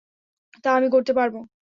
তা আমি করতে পারবো।